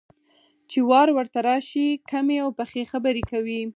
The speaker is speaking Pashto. چې وار ورته راشي، کمې او پخې خبرې کوي.